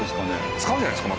使うんじゃないですか？